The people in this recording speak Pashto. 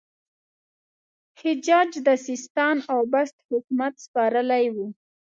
حجاج د سیستان او بست حکومت سپارلی وو.